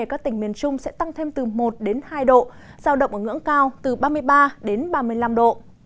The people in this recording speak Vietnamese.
các tỉnh miền trung sẽ tăng thêm từ một hai độ giao động ở ngưỡng cao từ ba mươi ba đến ba mươi năm độ